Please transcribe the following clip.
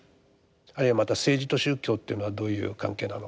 あるいはまた政治と宗教というのはどういう関係なのかと。